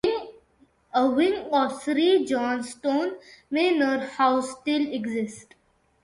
A wing of Sir John's stone manor house still exists.